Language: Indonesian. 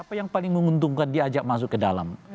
itu paling menguntungkan diajak masuk ke dalam